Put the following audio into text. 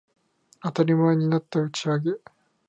当たり前になった打ち上げ